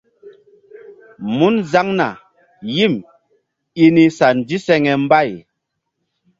Mun zaŋna yim i ni sa ndiseŋe mbay.